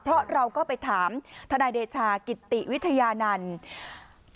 เพราะเราก็ไปถามทนายเดชากิติวิทยานันต์